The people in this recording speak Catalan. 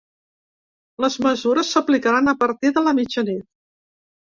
Les mesures s’aplicaran a partir de la mitjanit.